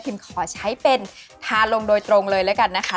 ขอใช้เป็นทาลงโดยตรงเลยแล้วกันนะคะ